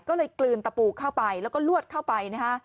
ก็เลยกลืนตะปูเข้าไปแล้วก็ลวดเข้าไปนะฮะ